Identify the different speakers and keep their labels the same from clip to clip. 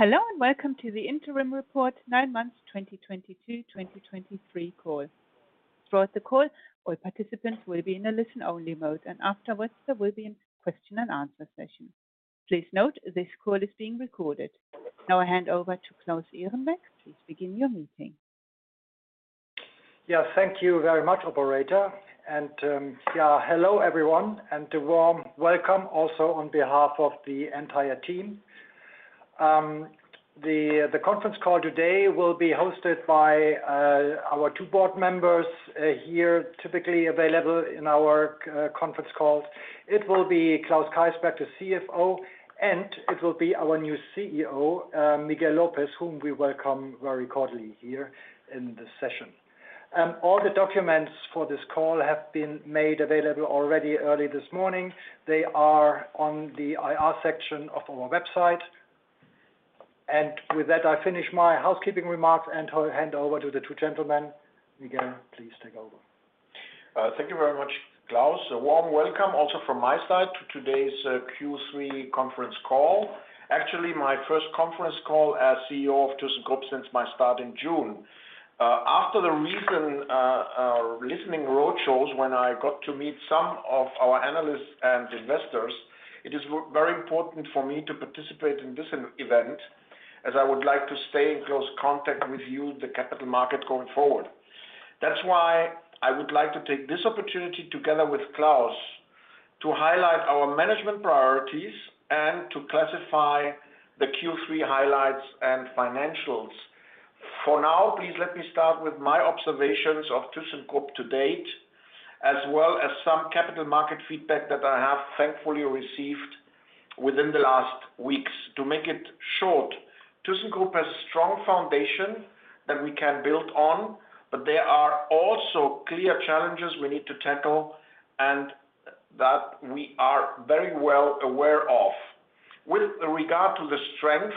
Speaker 1: Hello, and welcome to the Interim Report, Nine Months, 2022/2023 call. Throughout the call, all participants will be in a listen-only mode, and afterwards, there will be a question and answer session. Please note, this call is being recorded. Now I hand over to Claus Ehrenbeck. Please begin your meeting.
Speaker 2: Yeah, thank you very much, operator. Yeah, hello, everyone, and a warm welcome also on behalf of the entire team. The, the conference call today will be hosted by our two Board members, here, typically available in our conference call. It will be Klaus Keysberg, the CFO, and it will be our new CEO, Miguel López, whom we welcome very cordially here in this session. All the documents for this call have been made available already early this morning. They are on the IR section of our website. With that, I finish my housekeeping remarks and hand over to the two gentlemen. Miguel, please take over.
Speaker 3: Thank you very much, Claus. A warm welcome, also from my side, to today's Q3 conference call. Actually, my first conference call as CEO of thyssenkrupp since my start in June. After the recent listening roadshows, when I got to meet some of our analysts and investors, it is very important for me to participate in this event, as I would like to stay in close contact with you, the capital market, going forward. That's why I would like to take this opportunity together with Klaus, to highlight our management priorities and to classify the Q3 highlights and financials. For now, please let me start with my observations of thyssenkrupp to date, as well as some capital market feedback that I have thankfully received within the last weeks. To make it short, thyssenkrupp has a strong foundation that we can build on, but there are also clear challenges we need to tackle, and that we are very well aware of. With regard to the strength,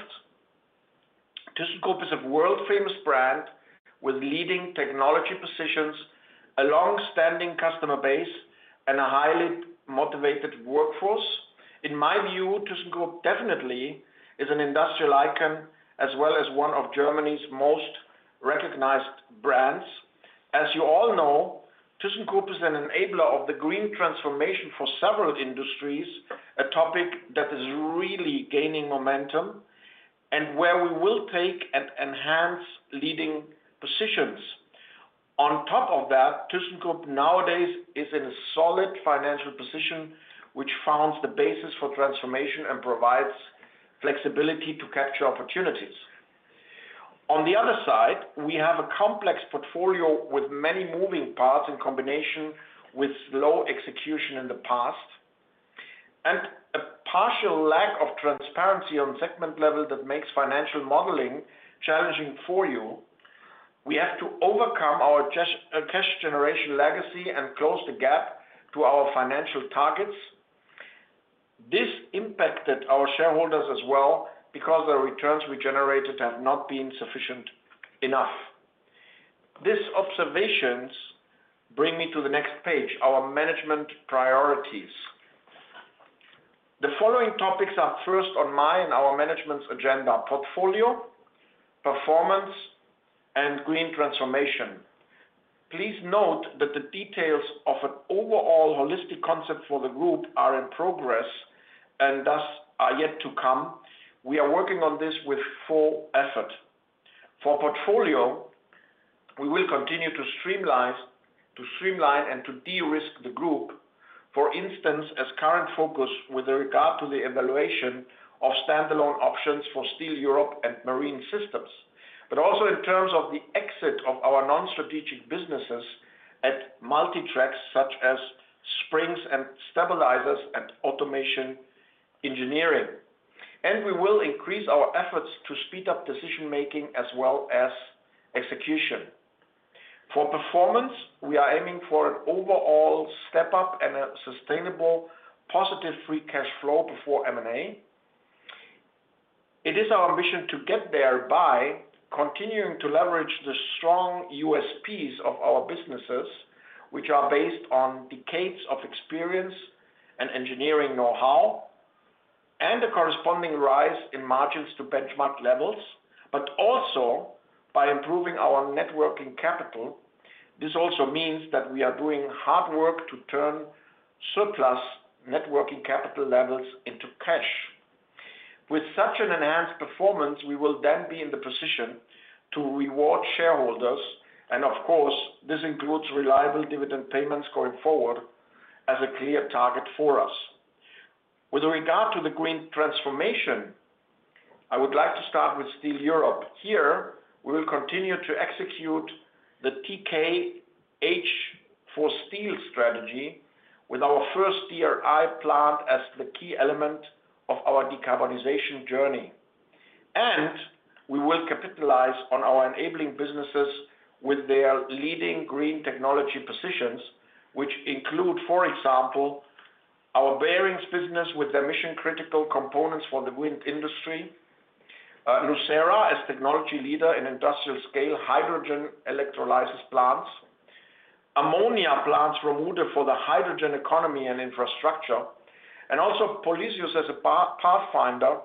Speaker 3: thyssenkrupp is a world-famous brand with leading technology positions, a long-standing customer base, and a highly motivated workforce. In my view, thyssenkrupp definitely is an industrial icon, as well as one of Germany's most recognized brands. As you all know, thyssenkrupp is an enabler of the green transformation for several industries, a topic that is really gaining momentum, and where we will take and enhance leading positions. On top of that, thyssenkrupp nowadays is in a solid financial position, which forms the basis for transformation and provides flexibility to capture opportunities. On the other side, we have a complex portfolio with many moving parts in combination with low execution in the past, and a partial lack of transparency on segment level that makes financial modeling challenging for you. We have to overcome our cash, cash generation legacy and close the gap to our financial targets. This impacted our shareholders as well, because the returns we generated have not been sufficient enough. These observations bring me to the next page, our management priorities. The following topics are first on my and our management's agenda: portfolio, performance, and green transformation. Please note that the details of an overall holistic concept for the group are in progress, and thus, are yet to come. We are working on this with full effort. For portfolio, we will continue to streamline and to de-risk the group. For instance, as current focus with regard to the evaluation of standalone options for Steel Europe and Marine Systems, but also in terms of the exit of our non-strategic businesses at Multi Tracks, such as Springs & Stabilizers and Automation Engineering. We will increase our efforts to speed up decision-making as well as execution. For performance, we are aiming for an overall step-up and a sustainable positive free cash flow before M&A. It is our ambition to get there by continuing to leverage the strong USPs of our businesses, which are based on decades of experience and engineering know-how, and the corresponding rise in margins to benchmark levels, but also by improving our net working capital. This also means that we are doing hard work to turn surplus net working capital levels into cash. With such an enhanced performance, we will then be in the position to reward shareholders, and of course, this includes reliable dividend payments going forward as a clear target for us. With regard to the green transformation, I would like to start with Steel Europe. Here, we will continue to execute the tkH2Steel strategy with our first DRI plant as the key element of our decarbonization journey. We will capitalize on our enabling businesses with their leading green technology positions, which include, for example, our bearings business with their mission-critical components for the wind industry, nucera, as technology leader in industrial-scale hydrogen electrolysis plants, ammonia plants removed for the hydrogen economy and infrastructure, and also Polysius as a pathfinder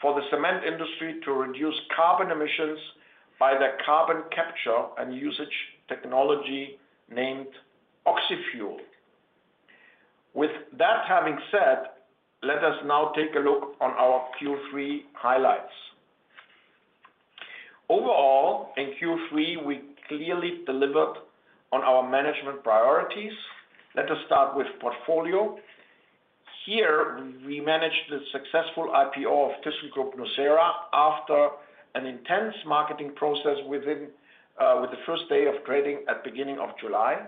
Speaker 3: for the cement industry to reduce carbon emissions by their carbon capture and usage technology, named oxyfuel. With that having said, let us now take a look on our Q3 highlights. Overall, in Q3, we clearly delivered on our management priorities. Let us start with portfolio. Here, we managed the successful IPO of thyssenkrupp nucera after an intense marketing process within, with the first day of trading at beginning of July.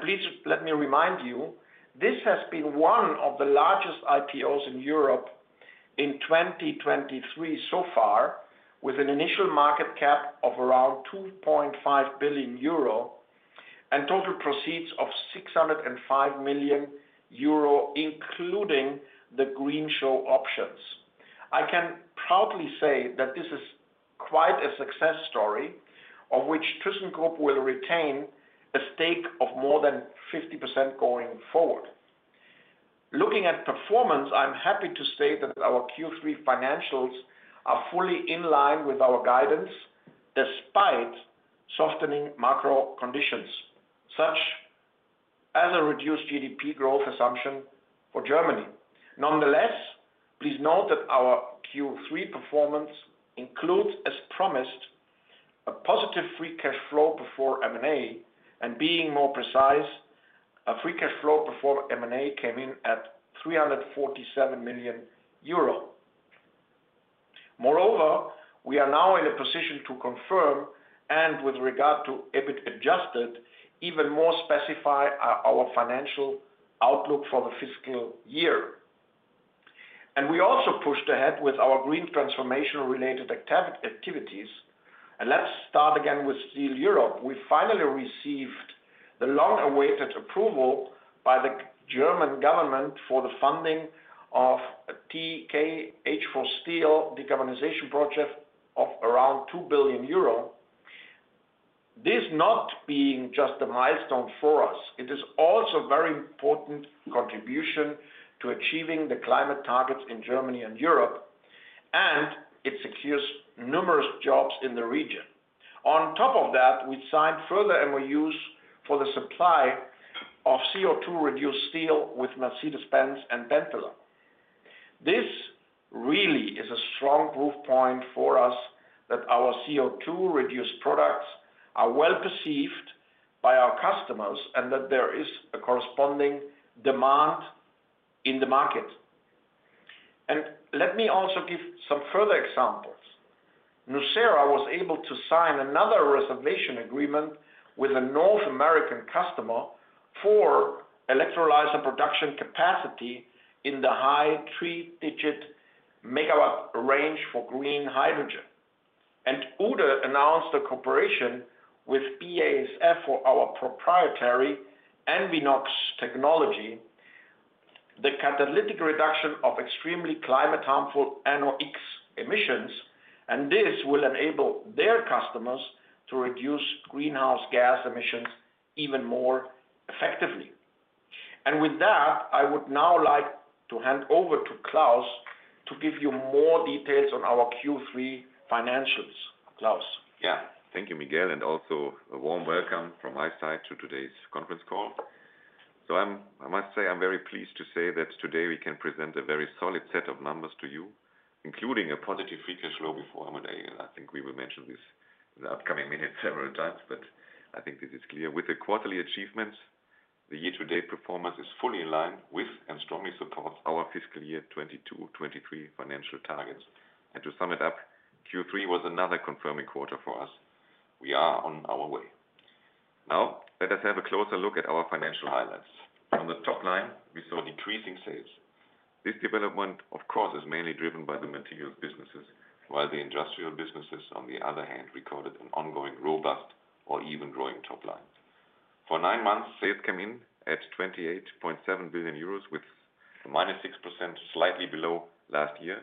Speaker 3: Please let me remind you, this has been one of the largest IPOs in Europe in 2023 so far, with an initial market cap of around 2.5 billion euro, and total proceeds of 605 million euro, including the greenshoe options. I can proudly say that this is quite a success story, of which thyssenkrupp will retain a stake of more than 50% going forward. Looking at performance, I'm happy to say that our Q3 financials are fully in line with our guidance, despite softening macro conditions, such as a reduced GDP growth assumption for Germany. Nonetheless, please note that our Q3 performance includes, as promised, a positive free cash flow before M&A, being more precise, a free cash flow before M&A came in at 347 million euro. Moreover, we are now in a position to confirm, and with regard to EBIT adjusted, even more specify our financial outlook for the fiscal year. We also pushed ahead with our green transformation-related activities. Let's start again with Steel Europe. We finally received the long-awaited approval by the German government for the funding of tkH2Steel decarbonization project of around 2 billion euro. This not being just a milestone for us, it is also very important contribution to achieving the climate targets in Germany and Europe, and it secures numerous jobs in the region. On top of that, we signed further MOUs for the supply of CO2-reduced steel with Mercedes-Benz and Benteler. This really is a strong proof point for us that our CO2-reduced products are well perceived by our customers, and that there is a corresponding demand in the market. Let me also give some further examples. Nucera was able to sign another reservation agreement with a North American customer for electrolyzer production capacity in the high three-digit megawatt range for green hydrogen. Uhde announced a cooperation with BASF for our proprietary EnviNOx technology, the catalytic reduction of extremely climate harmful NOx emissions, and this will enable their customers to reduce greenhouse gas emissions even more effectively. With that, I would now like to hand over to Klaus to give you more details on our Q3 financials. Klaus?
Speaker 4: Yeah. Thank you, Miguel, and also a warm welcome from my side to today's conference call. I must say, I'm very pleased to say that today we can present a very solid set of numbers to you, including a positive free cash flow before M&A, and I think we will mention this in the upcoming minutes several times, but I think this is clear. With the quarterly achievements, the year-to-date performance is fully in line with and strongly supports our fiscal year 2022, 2023 financial targets. To sum it up, Q3 was another confirming quarter for us. We are on our way. Now, let us have a closer look at our financial highlights. On the top line, we saw decreasing sales. This development, of course, is mainly driven by the materials businesses, while the industrial businesses, on the other hand, recorded an ongoing, robust or even growing top line. For nine months, sales came in at 28.7 billion euros, with -6%, slightly below last year,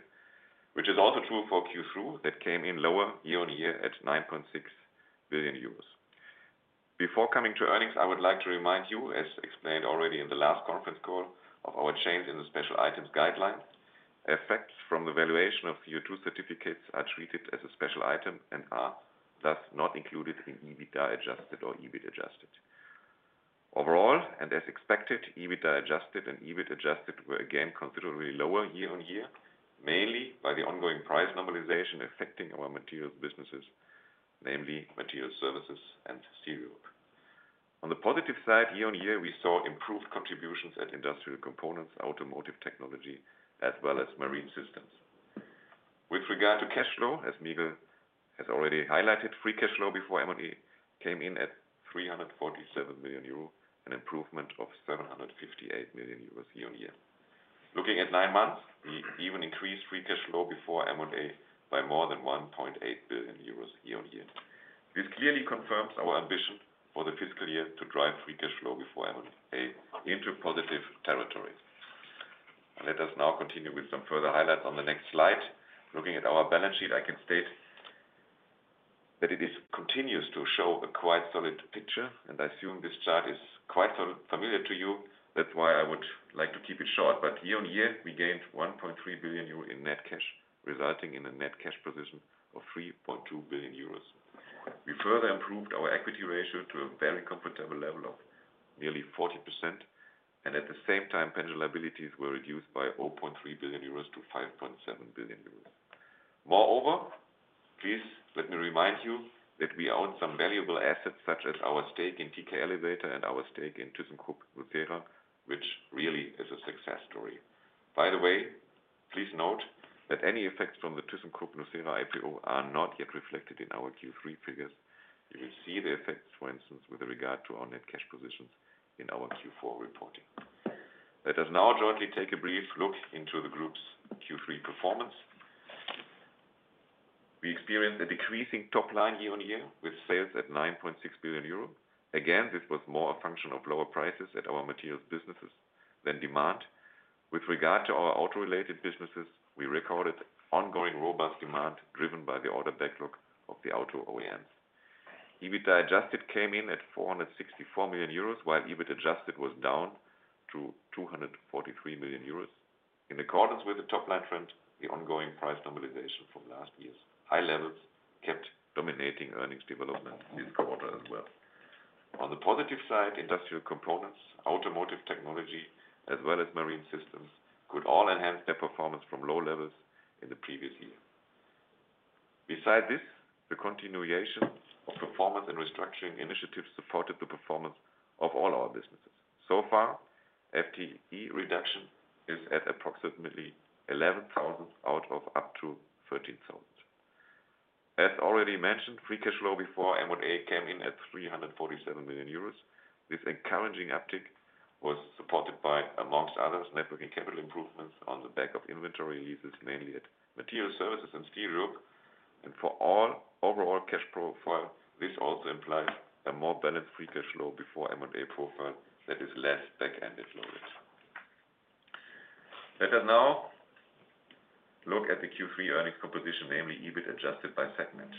Speaker 4: which is also true for Q3. That came in lower year-on-year at 9.6 billion euros. Before coming to earnings, I would like to remind you, as explained already in the last conference call, of our change in the special items guidelines. Effects from the valuation of CO2 certificates are treated as a special item and are thus not included in EBITDA adjusted or EBIT adjusted. Overall, and as expected, EBITDA adjusted and EBIT adjusted were again, considerably lower year-on-year, mainly by the ongoing price normalization affecting our materials businesses, namely Materials Services and Steel Europe. On the positive side, year-on-year, we saw improved contributions at Industrial Components, Automotive Technology, as well as Marine Systems. With regard to cash flow, as Miguel has already highlighted, free cash flow before M&A came in at 347 million euro, an improvement of 758 million euros year-on-year. Looking at nine months, we even increased free cash flow before M&A by more than 1.8 billion euros year-on-year. This clearly confirms our ambition for the fiscal year to drive free cash flow into positive territories. Let us now continue with some further highlights on the next slide. Looking at our balance sheet, I can state that it is continues to show a quite solid picture, and I assume this chart is quite so familiar to you. That's why I would like to keep it short, but year-on-year, we gained 1.3 billion euro in net cash, resulting in a net cash position of 3.2 billion euros. We further improved our equity ratio to a very comfortable level of nearly 40%, and at the same time, pension liabilities were reduced by 0.3 billion euros to 5.7 billion euros. Moreover, please let me remind you that we own some valuable assets, such as our stake in TK Elevator and our stake in thyssenkrupp nucera, which really is a success story. By the way, please note that any effects from the thyssenkrupp nucera IPO are not yet reflected in our Q3 figures. You will see the effects, for instance, with regard to our net cash positions in our Q4 reporting. Let us now jointly take a brief look into the group's Q3 performance. We experienced a decreasing top line year-on-year, with sales at 9.6 billion euros. Again, this was more a function of lower prices at our materials businesses than demand. With regard to our auto-related businesses, we recorded ongoing robust demand, driven by the order backlog of the auto OEMs. EBITDA adjusted came in at 464 million euros, while EBIT adjusted was down to 243 million euros. In accordance with the top-line trend, the ongoing price normalization from last year's high levels kept dominating earnings development this quarter as well. On the positive side, Industrial Components, Automotive Technology, as well as Marine Systems, could all enhance their performance from low levels in the previous year. Besides this, the continuation of performance and restructuring initiatives supported the performance of all our businesses. So far, FTE reduction is at approximately 11,000 out of up to 13,000. As already mentioned, free cash flow before M&A came in at 347 million euros. This encouraging uptick was supported by, amongst others, net working capital improvements on the back of inventory decreases, mainly at Material Services and Steel Europe. For all overall cash profile, this also implies a more balanced, free cash flow before M&A profile that is less back-end loaded. Let us now look at the Q3 earnings composition, namely, EBIT adjusted by segment.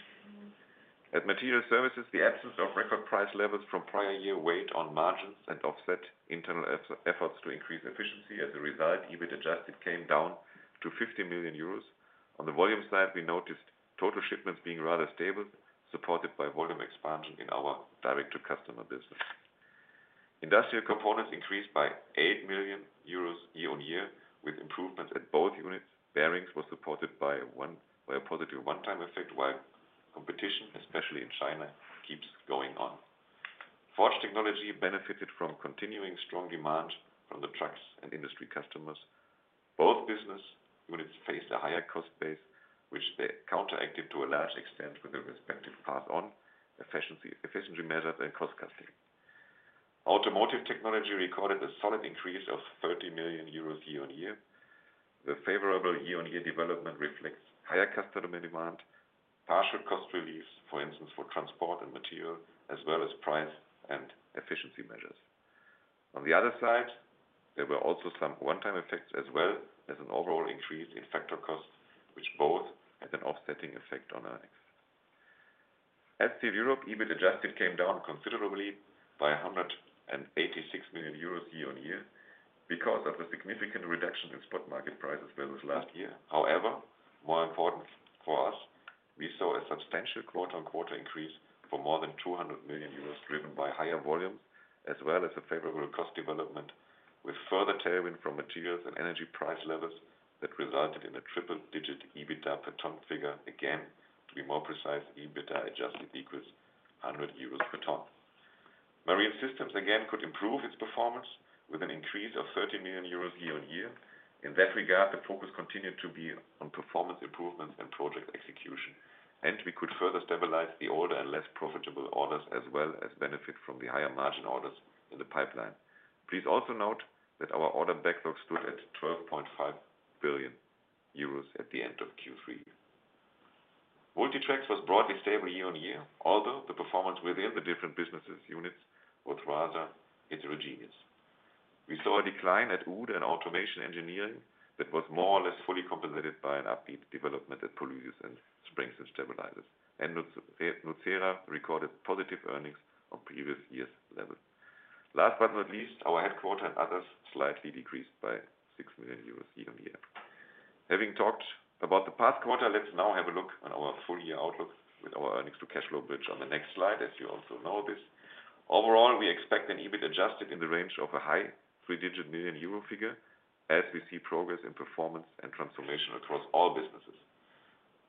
Speaker 4: At Material Services, the absence of record price levels from prior year weighed on margins and offset internal efforts to increase efficiency. As a result, EBIT adjusted came down to 50 million euros. On the volume side, we noticed total shipments being rather stable, supported by volume expansion in our direct-to-consumer business. Industrial Components increased by 8 million euros year-on-year, with improvements at both units. Bearings was supported by a positive one-time effect, while competition, especially in China, keeps going on. Forged Technologies benefited from continuing strong demand from the trucks and industry customers. Both business units faced a higher cost base, which they counteracted to a large extent with the respective path on efficiency, efficiency measures and cost cutting. Automotive Technology recorded a solid increase of 30 million euros year-on-year. The favorable year-on-year development reflects higher customer demand, partial cost reliefs, for instance, for transport and material, as well as price and efficiency measures. On the other side, there were also some one-time effects, as well as an overall increase in factor costs, which both had an offsetting effect on earnings. At Steel Europe, EBIT adjusted came down considerably by 186 million euros year-on-year because of a significant reduction in spot market prices versus last year. However, more important for us, we saw a substantial quarter-on-quarter increase for more than 200 million euros, driven by higher volumes, as well as a favorable cost development, with further tailwind from materials and energy price levels that resulted in a triple digit EBITDA per ton figure again. To be more precise, EBITDA adjusted equals 100 euros per ton. Marine Systems, again, could improve its performance with an increase of 13 million euros year-on-year. In that regard, the focus continued to be on performance improvements and project execution, and we could further stabilize the older and less profitable orders, as well as benefit from the higher margin orders in the pipeline. Please also note that our order backlog stood at 12.5 billion euros at the end of Q3. Multi Tracks was broadly stable year-on-year, although the performance within the different businesses units was rather heterogeneous. We saw a decline at Uhde and Automation Engineering that was more or less fully compensated by an upbeat development at Polysius and Springs & Stabilizers, and nucera recorded positive earnings on previous years' level. Last but not least, our headquarter and others slightly decreased by 6 million euros year-on-year. Having talked about the past quarter, let's now have a look on our full year outlook with our earnings to cash flow bridge on the next slide, as you also know this. Overall, we expect an EBIT adjusted in the range of a high three-digit million Euro figure as we see progress in performance and transformation across all businesses.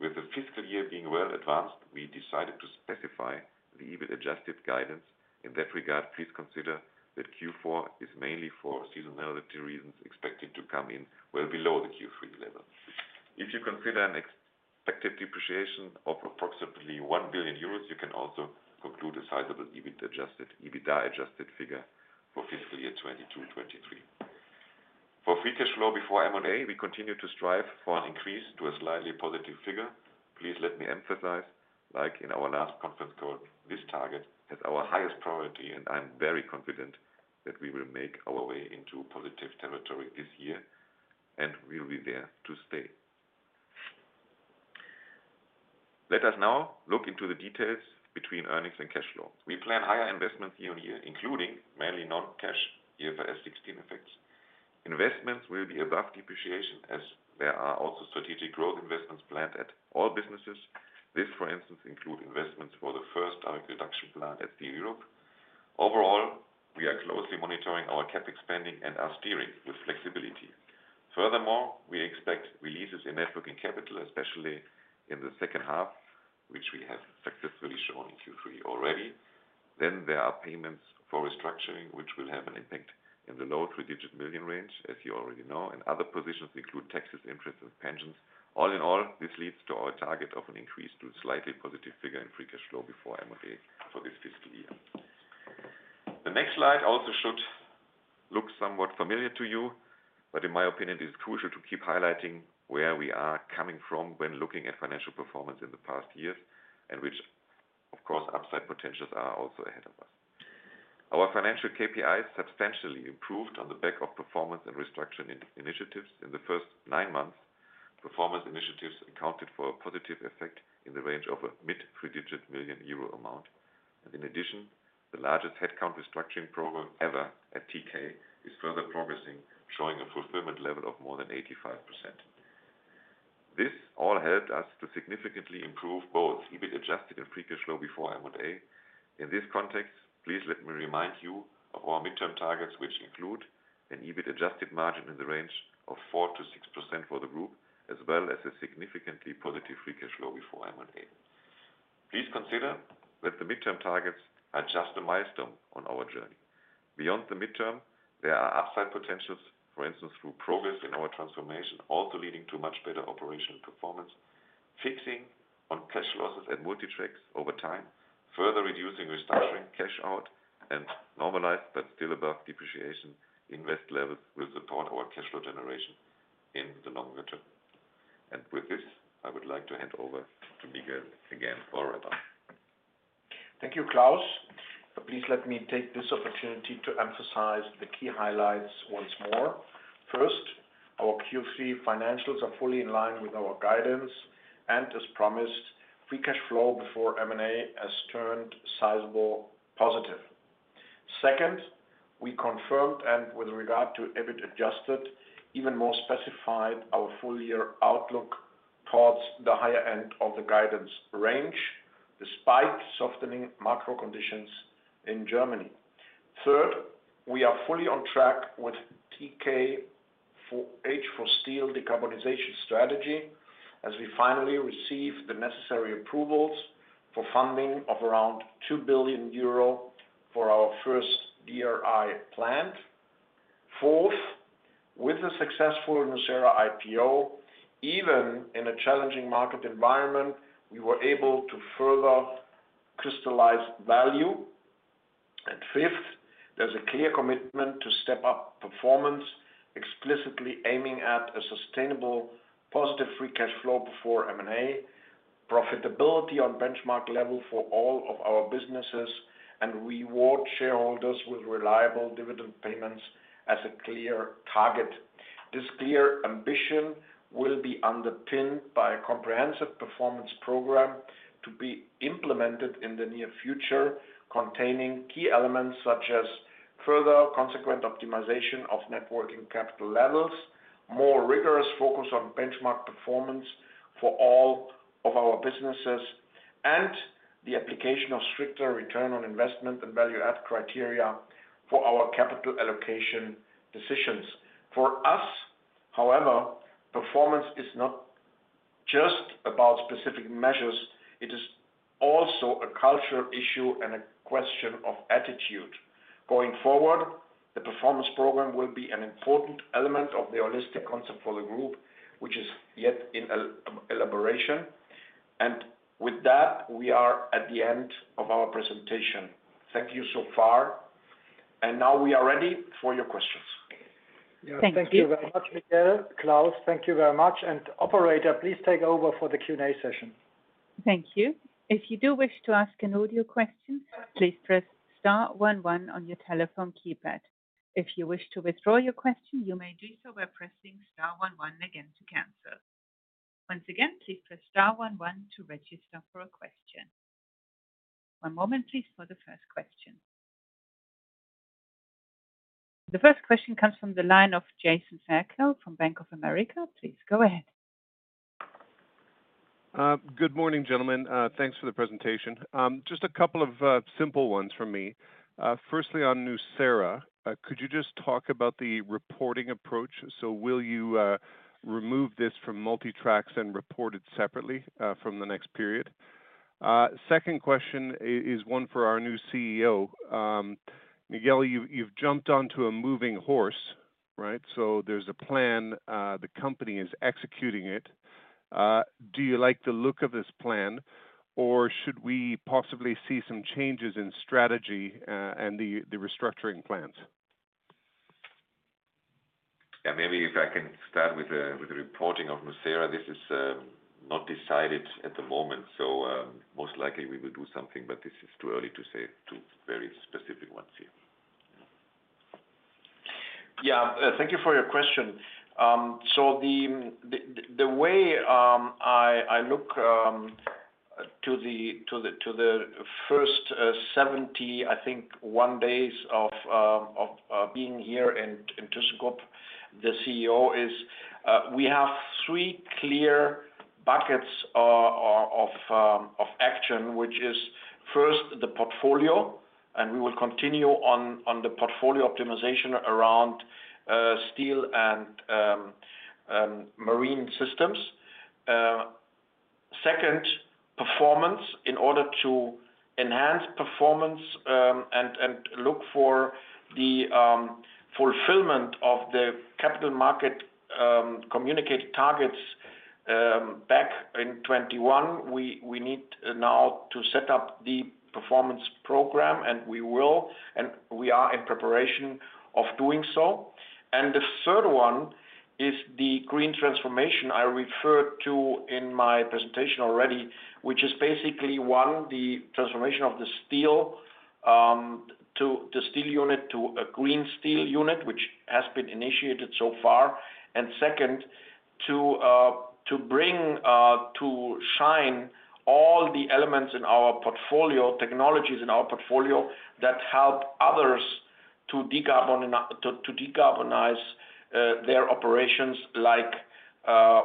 Speaker 4: With the fiscal year being well advanced, we decided to specify the EBIT adjusted guidance. In that regard, please consider that Q4 is mainly for seasonality reasons, expected to come in well below the Q3 level. If you consider an expected depreciation of approximately 1 billion euros, you can also conclude a sizable EBIT adjusted, EBITDA adjusted figure for fiscal year 2022, 2023. For free cash flow before M&A, we continue to strive for an increase to a slightly positive figure. Please let me emphasize, like in our last conference call, this target is our highest priority, and I'm very confident that we will make our way into positive territory this year, and we'll be there to stay. Let us now look into the details between earnings and cash flow. We plan higher investments year-on-year, including mainly non-cash year for IFRS 16 effects. Investments will be above depreciation, as there are also strategic growth investments planned at all businesses. This, for instance, includes investments for the first time reduction plan at the Europe. Overall, we are closely monitoring our CapEx spending and are steering with flexibility. We expect releases in net working capital, especially in the second half, which we have successfully shown in Q3 already. There are payments for restructuring, which will have an impact in the low three-digit million range, as you already know, and other positions include taxes, interest, and pensions. All in all, this leads to our target of an increase to a slightly positive figure in free cash flow before M&A for this fiscal year. The next slide also should look somewhat familiar to you, but in my opinion, it is crucial to keep highlighting where we are coming from when looking at financial performance in the past years, and which, of course, upside potentials are also ahead of us. Our financial KPIs substantially improved on the back of performance and restructuring initiatives. In the first nine months, performance initiatives accounted for a positive effect in the range of a mid-three-digit million Euro amount. In addition, the largest headcount restructuring program ever at TK is further progressing, showing a fulfillment level of more than 85%. This all helped us to significantly improve both EBIT adjusted and free cash flow before M&A. In this context, please let me remind you of our midterm targets, which include an EBIT adjusted margin in the range of 4%-6% for the group, as well as a significantly positive free cash flow before M&A. Please consider that the midterm targets are just a milestone on our journey. Beyond the midterm, there are upside potentials, for instance, through progress in our transformation, also leading to much better operational performance, fixing on cash losses and Multi Tracks over time, further reducing restructuring cash out and normalized, but still above depreciation. Invest levels will support our cash flow generation in the longer term. With this, I would like to hand over to Miguel again for a wrap-up.
Speaker 3: Thank you, Klaus. Please let me take this opportunity to emphasize the key highlights once more. First, our Q3 financials are fully in line with our guidance, and as promised, free cash flow before M&A has turned sizable positive. Second, we confirmed, and with regard to EBIT adjusted, even more specified our full year outlook towards the higher end of the guidance range, despite softening macro conditions in Germany. Third, we are fully on track with tkH2Steel decarbonization strategy, as we finally receive the necessary approvals for funding of around 2 billion euro for our first DRI plant. Fourth, with a successful nucera IPO, even in a challenging market environment, we were able to further crystallize value. Fifth, there's a clear commitment to step up performance, explicitly aiming at a sustainable, positive free cash flow before M&A, profitability on benchmark level for all of our businesses, and reward shareholders with reliable dividend payments as a clear target. This clear ambition will be underpinned by a comprehensive performance program to be implemented in the near future, containing key elements such as further consequent optimization of net working capital levels, more rigorous focus on benchmark performance for all of our businesses, and the application of stricter return on investment and value add criteria for our capital allocation decisions. For us, however, performance is not just about specific measures, it is also a cultural issue and a question of attitude. Going forward, the performance program will be an important element of the holistic concept for the group, which is yet in elaboration. With that, we are at the end of our presentation. Thank you so far, and now we are ready for your questions.
Speaker 1: Thank you.
Speaker 2: Thank you very much, Miguel. Klaus, thank you very much. Operator, please take over for the Q&A session.
Speaker 1: Thank you. If you do wish to ask an audio question, please press star one one on your telephone keypad. If you wish to withdraw your question, you may do so by pressing star one one again to cancel. Once again, please press star one one to register for a question. One moment, please, for the first question. The first question comes from the line of Jason Fairclough from Bank of America. Please go ahead.
Speaker 5: Good morning, gentlemen. Thanks for the presentation. Just a couple of simple ones from me. Firstly, on nucera, could you just talk about the reporting approach? Will you remove this from Multi Tracks and report it separately from the next period? Second question is one for our new CEO. Miguel, you've jumped onto a moving horse, right? There's a plan, the company is executing it. Do you like the look of this plan, or should we possibly see some changes in strategy and the restructuring plans?
Speaker 4: Yeah, maybe if I can start with the, with the reporting of nucera, this is not decided at the moment. Most likely we will do something. This is too early to say, too very specific ones here.
Speaker 3: Yeah, thank you for your question. The way I look to the first 71, I think, days of being here in thyssenkrupp, the CEO is, we have three clear buckets of action, which is first, the portfolio. We will continue on the portfolio optimization around Steel and Marine Systems. Second, performance in order to enhance performance and look for the fulfillment of the capital market communicated targets back in 2021. We need now to set up the performance program, and we will, and we are in preparation of doing so. The third one is the green transformation I referred to in my presentation already, which is basically, one, the transformation of the steel to the steel unit, to a green steel unit, which has been initiated so far. Second, to bring to shine all the elements in our portfolio, technologies in our portfolio that help others to decarbonize their operations, like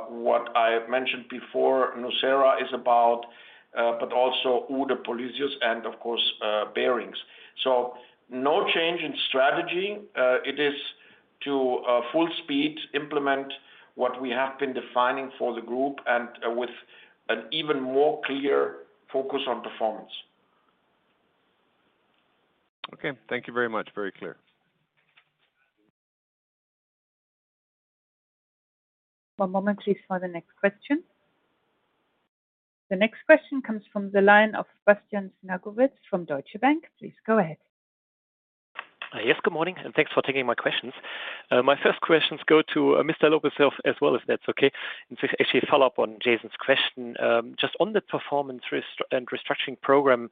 Speaker 3: what I mentioned before, nucera is about, but also Uhde, Polysius, and of course, bearings. No change in strategy. It is to full speed, implement what we have been defining for the group and with an even more clear focus on performance.
Speaker 5: Okay. Thank you very much. Very clear.
Speaker 1: One moment, please, for the next question. The next question comes from the line of Bastian Synagowitz from Deutsche Bank. Please go ahead.
Speaker 6: Yes, good morning, thanks for taking my questions. My first questions go to Mr. López as well, if that's okay. It's actually a follow-up on Jason's question. Just on the performance and restructuring program,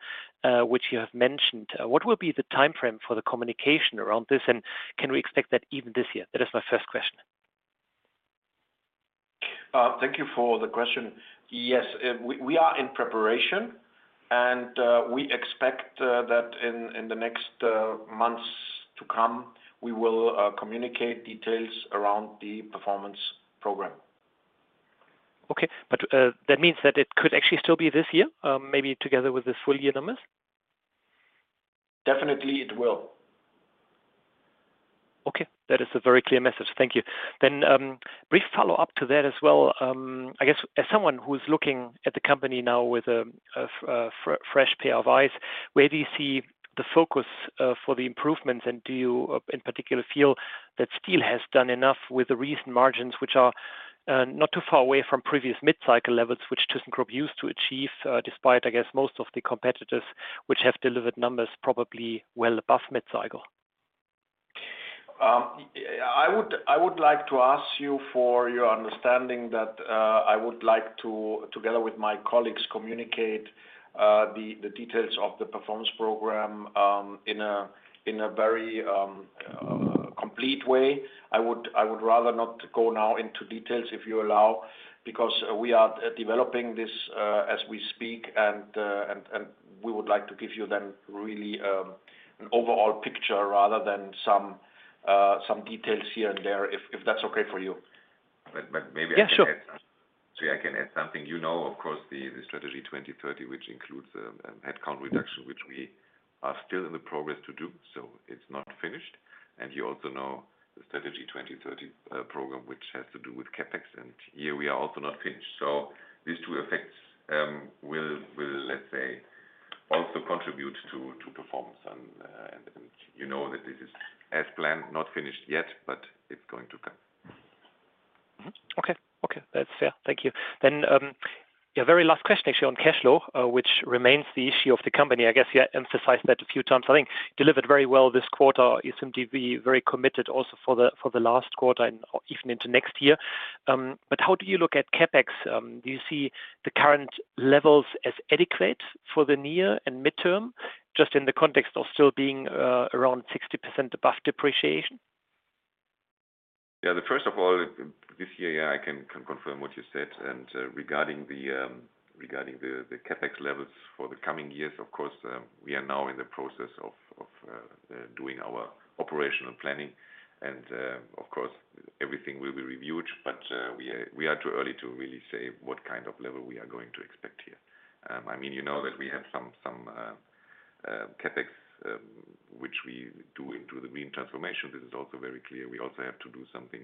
Speaker 6: which you have mentioned, what will be the time frame for the communication around this, and can we expect that even this year? That is my first question.
Speaker 3: Thank you for the question. Yes, we, we are in preparation, and we expect that in, in the next months to come, we will communicate details around the performance program.
Speaker 6: Okay. That means that it could actually still be this year, maybe together with this full year numbers?
Speaker 3: Definitely, it will.
Speaker 6: Okay. That is a very clear message. Thank you. Brief follow-up to that as well. I guess as someone who is looking at the company now with a fresh pair of eyes, where do you see the focus for the improvements? Do you in particular feel that steel has done enough with the recent margins, which are not too far away from previous mid-cycle levels, which thyssenkrupp used to achieve, despite, I guess, most of the competitors, which have delivered numbers probably well above mid-cycle?
Speaker 3: I would like to ask you for your understanding that I would like to, together with my colleagues, communicate the details of the performance program in a very complete way. I would rather not go now into details, if you allow, because we are developing this as we speak, and we would like to give you then really an overall picture rather than some details here and there, if that's okay for you.
Speaker 4: Maybe I can add.
Speaker 6: Yeah, sure.
Speaker 4: See, I can add something. You know, of course, the, the Strategy 2030, which includes headcount reduction, which we are still in the progress to do, so it's not finished. You also know the Strategy 2030 program, which has to do with CapEx, and here we are also not finished. These two effects will, will, let's say, also contribute to, to performance. You know that this is as planned, not finished yet, but it's going to come.
Speaker 6: Mm-hmm. Okay. Okay, that's fair. Thank you. Yeah, very last question actually on cash flow, which remains the issue of the company. I guess you emphasized that a few times. I think delivered very well this quarter, you seem to be very committed also for the, for the last quarter and even into next year. But how do you look at CapEx? Do you see the current levels as adequate for the near and midterm, just in the context of still being around 60% above depreciation?
Speaker 4: Yeah, the first of all, this year, I can confirm what you said. Regarding the, regarding the, the CapEx levels for the coming years, of course, we are now in the process of, of, doing our operational planning. Of course, everything will be reviewed, but we are, we are too early to really say what kind of level we are going to expect here. I mean, you know that we have some, some, CapEx, which we do into the green transformation. This is also very clear. We also have to do something,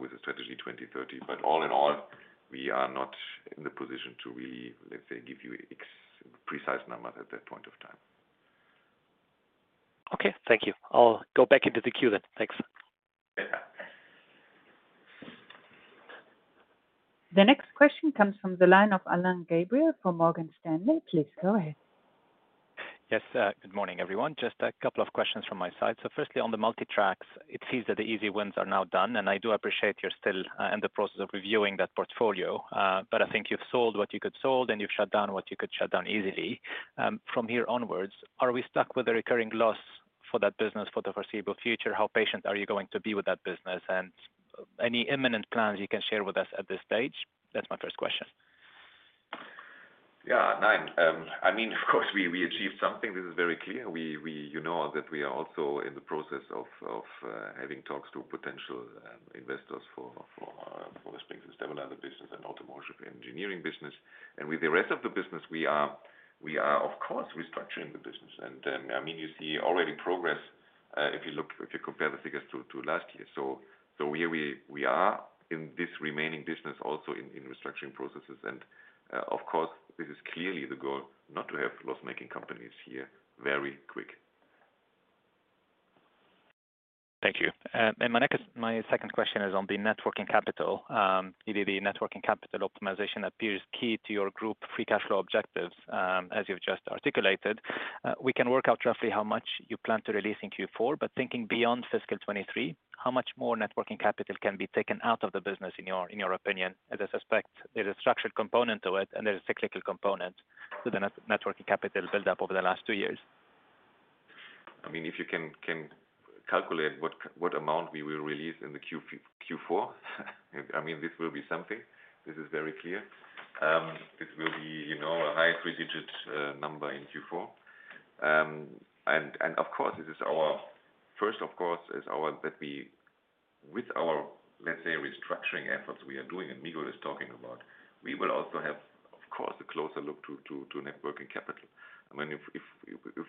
Speaker 4: with the Strategy 2030. All in all, we are not in the position to really, let's say, give you ex, precise numbers at that point of time.
Speaker 6: Okay, thank you. I'll go back into the queue then. Thanks.
Speaker 1: The next question comes from the line of Alain Gabriel from Morgan Stanley. Please go ahead.
Speaker 7: Yes, good morning, everyone. Just a couple of questions from my side. Firstly, on the Multi Tracks, it seems that the easy ones are now done, and I do appreciate you're still in the process of reviewing that portfolio. I think you've sold what you could sold, and you've shut down what you could shut down easily. From here onwards, are we stuck with a recurring loss for that business for the foreseeable future? How patient are you going to be with that business, and any imminent plans you can share with us at this stage? That's my first question.
Speaker 4: Yeah, Alain. I mean, of course, we, we achieved something. This is very clear. We, you know, that we are also in the process of having talks to potential investors for for the spring system, another business and automotive engineering business. With the rest of the business, we are, we are, of course, restructuring the business. Then, I mean, you see already progress if you look, if you compare the figures to last year. Here we, we are in this remaining business, also in restructuring processes, and, of course, this is clearly the goal not to have loss-making companies here very quick.
Speaker 7: Thank you. And my next, my second question is on the net working capital. Maybe the net working capital optimization appears key to your group free cash flow objectives, as you've just articulated. We can work out roughly how much you plan to release in Q4, but thinking beyond fiscal 2023, how much more net working capital can be taken out of the business in your, in your opinion, as I suspect there's a structured component to it, and there's a cyclical component to the net-networking capital build up over the last two years?
Speaker 4: I mean, if you can calculate what amount we will release in the Q4, I mean, this will be something. This is very clear. This will be, you know, a high three-digit number in Q4. First, of course, is our, that we, with our, let's say, restructuring efforts we are doing and Miguel is talking about, we will also have, of course, a closer look to net working capital. I mean, if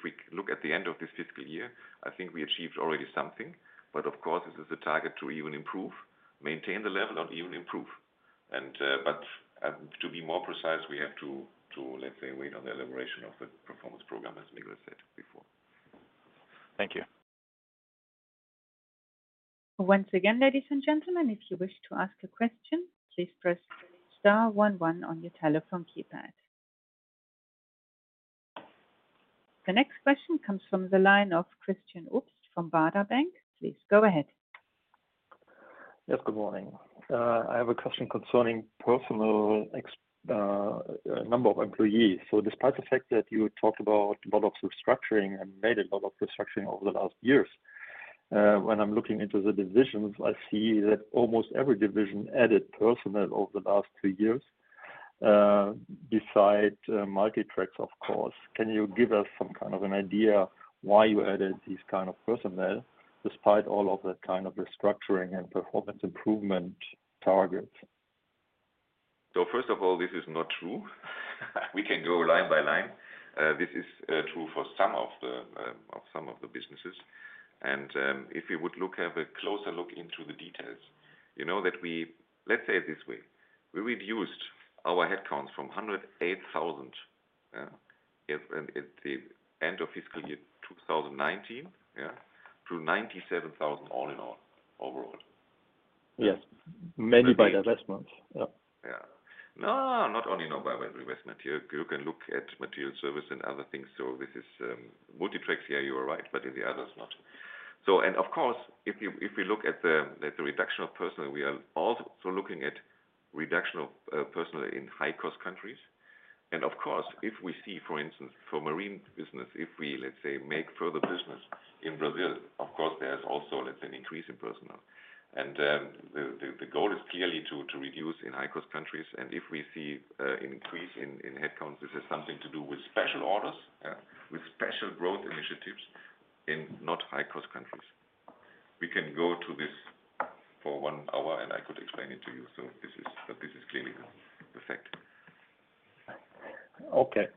Speaker 4: we look at the end of this fiscal year, I think we achieved already something, but of course, this is a target to even improve, maintain the level or even improve. To be more precise, we have to, let's say, wait on the elaboration of the performance program, as Miguel said before.
Speaker 7: Thank you.
Speaker 1: Once again, ladies and gentlemen, if you wish to ask a question, please press star one one on your telephone keypad. The next question comes from the line of Christian Obst from Baader Bank. Please go ahead.
Speaker 8: Yes, good morning. I have a question concerning personal ex, number of employees. Despite the fact that you talked about a lot of restructuring and made a lot of restructuring over the last years, when I'm looking into the divisions, I see that almost every division added personnel over the last two years, besides, Multi Tracks, of course. Can you give us some kind of an idea why you added these kind of personnel, despite all of that kind of restructuring and performance improvement targets?
Speaker 4: First of all, this is not true. We can go line by line. This is true for some of the of some of the businesses. If you would look, have a closer look into the details, you know, that we, let's say it this way, we reduced our headcounts from 108,000 at the end of fiscal year 2019, yeah, to 97,000, all in all, overall.
Speaker 8: Yes. Mainly by the last month. Yep.
Speaker 4: Yeah. No, not only, you know, by investment. You, you can look at Materials Services and other things. So this is Multi Tracks, yeah, you are right, but in the others, not. Of course, if you, if you look at the, at the reduction of personnel, we are also looking at reduction of personnel in high-cost countries. Of course, if we see, for instance, for marine business, if we, let's say, make further business in Brazil, of course, there's also, let's say, an increase in personnel. The, the, the goal is clearly to, to reduce in high-cost countries. If we see an increase in, in headcounts, this is something to do with special orders, with special growth initiatives in not high-cost countries. We can go to this for one hour, and I could explain it to you. This is, but this is clearly the fact.
Speaker 8: Okay.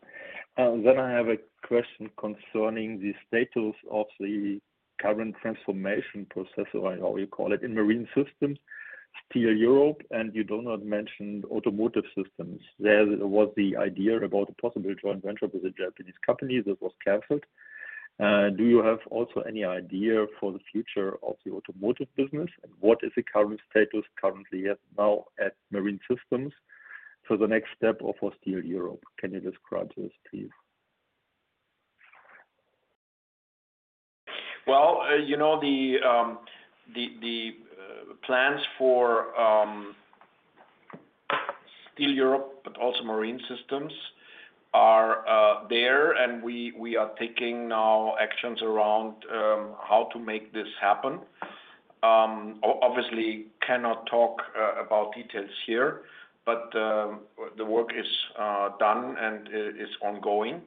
Speaker 8: I have a question concerning the status of the current transformation process, or how you call it, in thyssenkrupp Marine Systems, thyssenkrupp Steel Europe, and you do not mention Automotive Systems. There was the idea about a possible joint venture with a Japanese company that was canceled. Do you have also any idea for the future of the automotive business? What is the current status currently as now at Marine Systems for the next step of our Steel Europe? Can you describe this, please?
Speaker 3: Well, you know, the, the, the plans for Steel Europe, but also Marine Systems are there, and we, we are taking now actions around how to make this happen. Obviously, cannot talk about details here, but the work is done and is ongoing.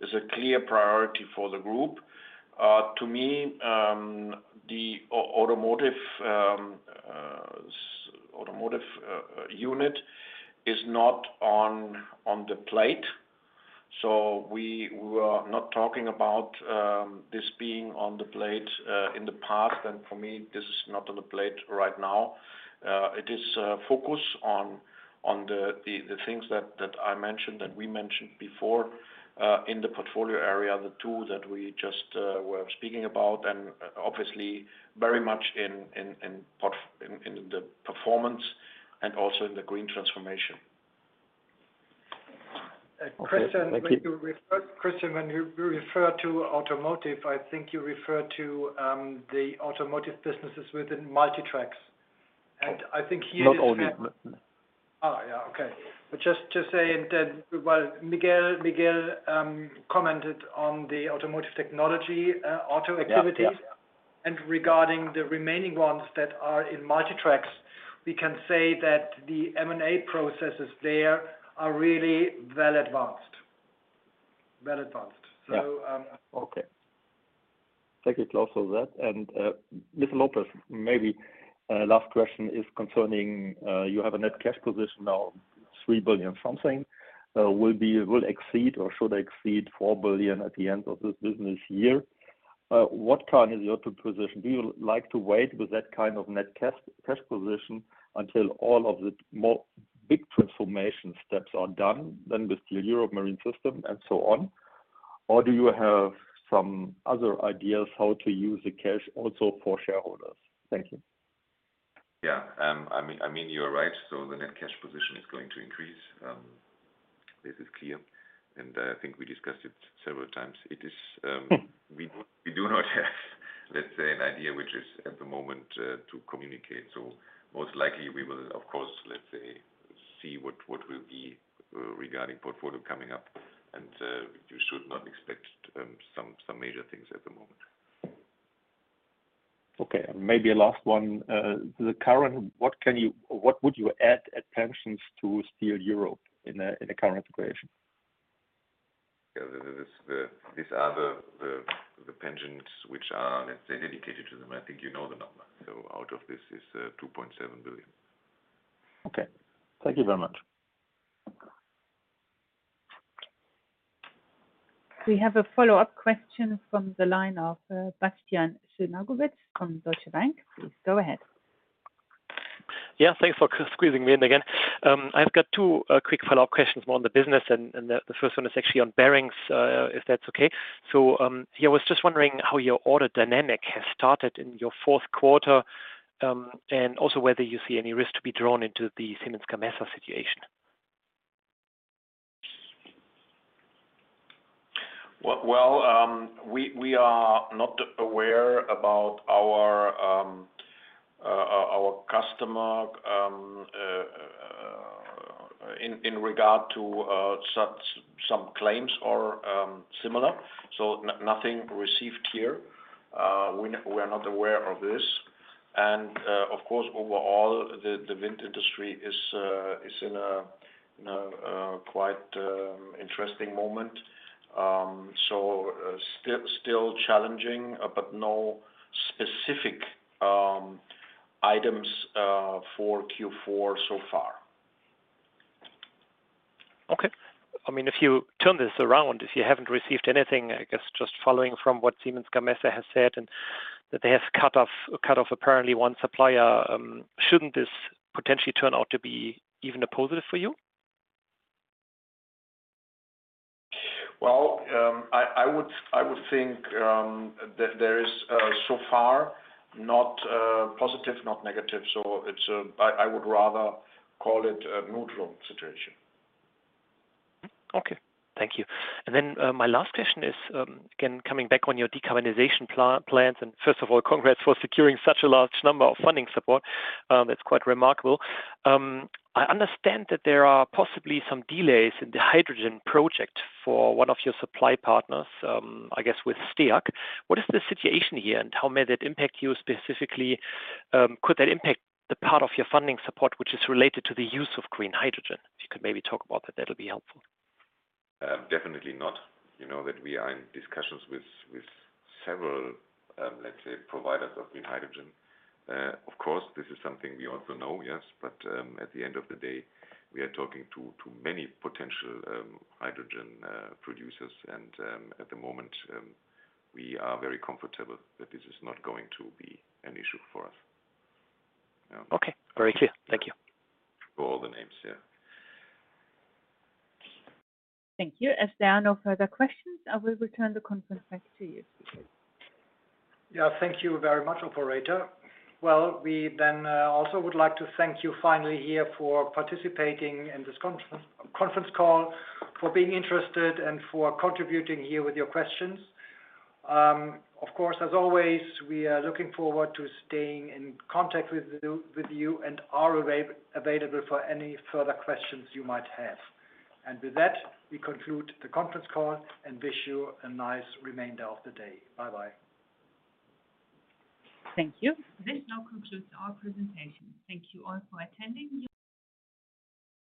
Speaker 3: There's a clear priority for the group. To me, the automotive unit is not on, on the plate. We were not talking about this being on the plate in the past, and for me, this is not on the plate right now. It is, focus on, on the, the, the things that, that I mentioned, that we mentioned before, in the portfolio area, the two that we just, were speaking about, and obviously very much in, in the performance and also in the green transformation.
Speaker 2: Christian.
Speaker 8: Thank you.
Speaker 2: When you refer, Christian, when you, you refer to automotive, I think you refer to, the automotive businesses within Multi Tracks. I think here.
Speaker 3: Not only.
Speaker 2: Oh, yeah. Okay. Just to say that, well, Miguel, Miguel, commented on the Automotive Technology, auto activities.
Speaker 3: Yeah, yeah.
Speaker 2: Regarding the remaining ones that are in Multi Tracks, we can say that the M&A processes there are really well advanced. Well advanced.
Speaker 8: Yeah.
Speaker 2: So, um.
Speaker 8: Okay. Thank you Claus for that. Mr. López, maybe last question is concerning, you have a net cash position of 3 billion something. Will exceed or should exceed 4 billion at the end of this business year. What time is your to position? Do you like to wait with that kind of net cash, cash position until all of the more big transformation steps are done than with the Marine Systems and so on? Do you have some other ideas how to use the cash also for shareholders? Thank you.
Speaker 4: Yeah, I mean, I mean, you're right. The net cash position is going to increase. This is clear, and I think we discussed it several times. It is, we, we do not have, let's say, an idea, which is at the moment, to communicate. Most likely we will, of course, let's say, see what, what will be, regarding portfolio coming up, and, you should not expect, some, some major things at the moment.
Speaker 8: Okay, maybe a last one. The current, what would you add at pensions to Steel Europe in a current equation?
Speaker 4: Yeah, this, the, these are the, the, the pensions which are, let's say, dedicated to them. I think you know the number. Out of this is 2.7 billion.
Speaker 8: Okay. Thank you very much.
Speaker 1: We have a follow-up question from the line of Bastian Synagowitz from Deutsche Bank. Please, go ahead.
Speaker 6: Yeah, thanks for squeezing me in again. I've got two quick follow-up questions, more on the business, and the first one is actually on bearings, if that's okay. Yeah, I was just wondering how your order dynamic has started in your fourth quarter, and also whether you see any risk to be drawn into the Siemens Gamesa situation?
Speaker 3: Well, well, we, we are not aware about our, our customer, in, in regard to, such some claims or, similar. Nothing received here. We, we are not aware of this. Of course, overall, the, the wind industry is, is in a, in a, quite, interesting moment. Still, still challenging, but no specific, items, for Q4 so far.
Speaker 6: Okay. I mean, if you turn this around, if you haven't received anything, I guess just following from what Siemens Gamesa has said, and that they have cut off, cut off, apparently one supplier, shouldn't this potentially turn out to be even a positive for you?
Speaker 3: Well, I, I would, I would think, that there is, so far not, positive, not negative. It's, I, I would rather call it a neutral situation.
Speaker 6: Okay. Thank you. My last question is, again, coming back on your decarbonization plans, and first of all, congrats for securing such a large number of funding support. It's quite remarkable. I understand that there are possibly some delays in the hydrogen project for one of your supply partners, I guess, with STEAG. What is the situation here, and how may that impact you specifically? Could that impact the part of your funding support, which is related to the use of green hydrogen? If you could maybe talk about that, that'll be helpful.
Speaker 4: Definitely not. You know, that we are in discussions with, with several, let's say, providers of green hydrogen. Of course, this is something we also know, yes. At the end of the day, we are talking to, to many potential, hydrogen, producers, and, at the moment, we are very comfortable that this is not going to be an issue for us.
Speaker 6: Okay, very clear. Thank you.
Speaker 4: For all the names here.
Speaker 1: Thank you. As there are no further questions, I will return the conference back to you.
Speaker 2: Yeah, thank you very much, operator. Well, we then also would like to thank you finally here for participating in this conference call, for being interested, and for contributing here with your questions. Of course, as always, we are looking forward to staying in contact with you, with you, and are available for any further questions you might have. With that, we conclude the conference call and wish you a nice remainder of the day. Bye-bye.
Speaker 1: Thank you. This now concludes our presentation. Thank you all for attending.